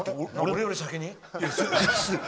俺より先に？